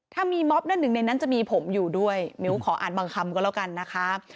ถ้ามีมอบนั่นหนึ่งในนั้นจะมีผมอยู่ด้วยมิ้วขออ่านบางคำก็แล้วกันนะคะ